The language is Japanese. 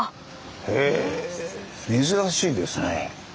へえ珍しいですね。